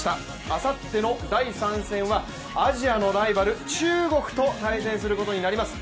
あさっての第３戦はアジアのライバル・中国と対戦することになります。